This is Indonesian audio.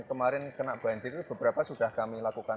kemarin kena banjir itu beberapa sudah kami lakukan